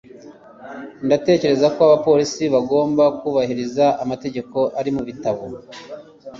ndatekereza ko abapolisi bagomba kubahiriza amategeko ari mubitabo